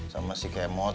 sama si kemote